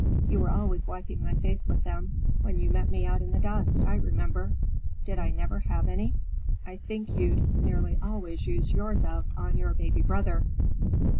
You were always wiping my face with them, when you met me out in the dust, I remember. Did I never have any?" "I think you'd nearly always used yours up on your baby brother."